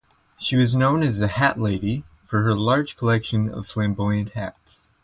She was known as the "Hat Lady" for her large collection of flamboyant hats.